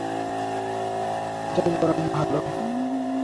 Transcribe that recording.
এটাই বরং ভালো।